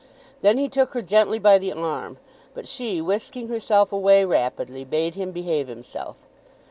Then he took her gently by the arm; but she, whisking herself away rapidly, bade him behave himself.